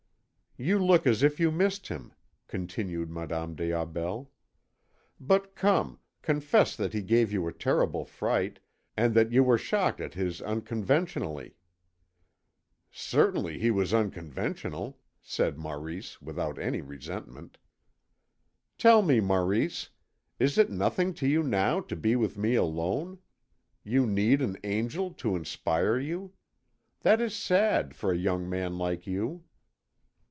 "You look as if you missed him," continued Madame des Aubels. "But come, confess that he gave you a terrible fright, and that you were shocked at his unconventionally." "Certainly he was unconventional," said Maurice without any resentment. "Tell me, Maurice, is it nothing to you now to be with me alone?... You need an angel to inspire you. That is sad, for a young man like you!"